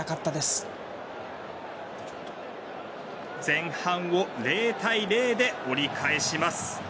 前半を０対０で折り返します。